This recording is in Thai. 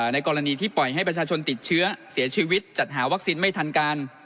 ในกรณีที่ปล่อยให้ประชาชนติดเชื้อเสียชีวิตจัดหาวัคซีนไม่ทันการ